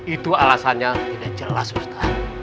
itu alasannya tidak jelas ustadz